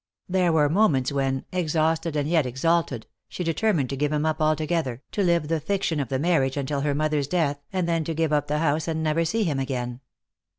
There were moments when, exhausted and yet exalted, she determined to give him up altogether, to live the fiction of the marriage until her mother's death, and then to give up the house and never see him again.